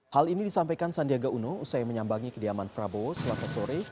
hal ini disampaikan sandiaga uno usai menyambangi kediaman prabowo selasa sore